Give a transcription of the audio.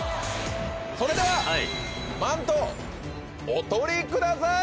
それではマントをお取りください！